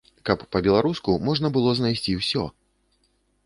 Каб па-беларуску можна было знайсці ўсё!